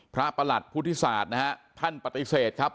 พระประหลัดผู้ทศาสตร์ท่านปฏิเสธครับ